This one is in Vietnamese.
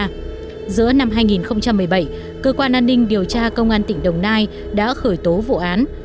giữa năm hai nghìn một mươi bảy cơ quan an ninh điều tra công an tỉnh đồng nai đã khởi tố vụ án